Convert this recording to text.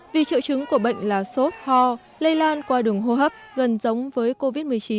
vì triệu chứng của bệnh là sốt ho lây lan qua đường hô hấp gần giống với covid một mươi chín